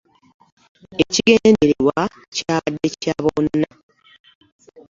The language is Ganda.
Ekigendererwa kyabadde kya bonna.